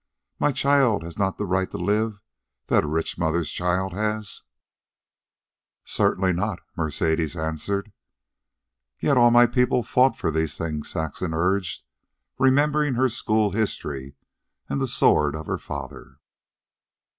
My child has not the right to live that a rich mother's child has." "Certainly not," Mercedes answered. "Yet all my people fought for these things," Saxon urged, remembering her school history and the sword of her father.